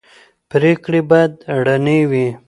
پرېکړې باید رڼې وي